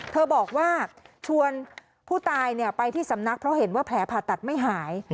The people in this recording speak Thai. บอกว่าชวนผู้ตายไปที่สำนักเพราะเห็นว่าแผลผ่าตัดไม่หาย